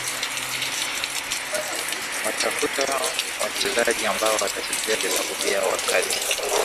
watafuta wachezaji ambao watachezea vilabu vyao wakati